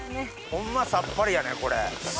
ホンマさっぱりやねこれ。